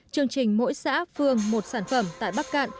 chương trình mỗi xã phương một sản phẩm tại bắc cạn